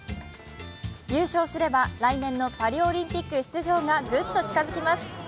優勝すれば来年のパリオリンピック出場がぐっと近づきます。